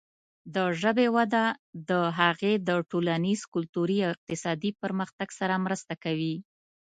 د ژبې وده د هغې د ټولنیز، کلتوري او اقتصادي پرمختګ سره مرسته کوي.